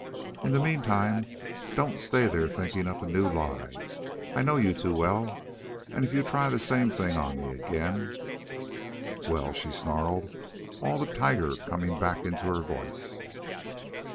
In the meantime don't stay there thinking up a new lie. I know you too well, and if you try the same thing on me again " "Well?" she snarled, all the tiger coming back in her voice.